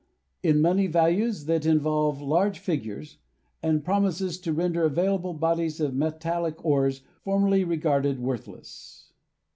in money values that involve large figures, and promises to render available bodies of metallic INTRODUCTION xiii ores formerly regarded worthless.